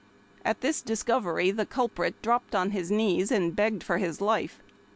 At this discovery the culprit dropped on his knees, and begged for his life.